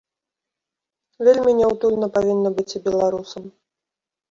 Вельмі няўтульна павінна быць і беларусам.